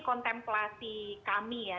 kontemplasi kami ya